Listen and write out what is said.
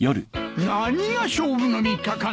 何が勝負の３日間だ！